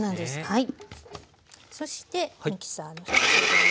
はい。